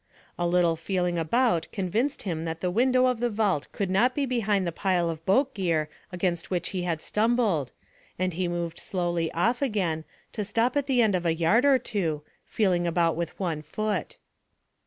A little feeling about convinced him that the window of the vault could not be behind the pile of boat gear against which he had stumbled, and he moved slowly of! Again, to stop at the end of a yard or two, feeling about with one foot.